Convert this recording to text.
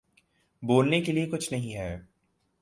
بولنے کے لیے کچھ نہیں ہے